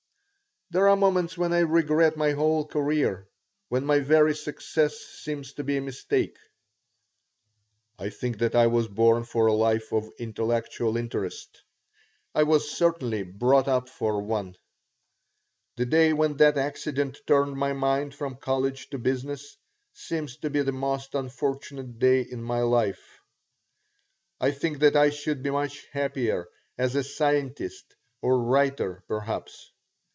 There are moments when I regret my whole career, when my very success seems to be a mistake. I think that I was born for a life of intellectual interest. I was certainly brought up for one. The day when that accident turned my mind from college to business seems to be the most unfortunate day in my life. I think that I should be much happier as a scientist or writer, perhaps.